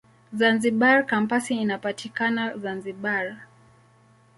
Zanzibar Kampasi inapatikana Zanzibar.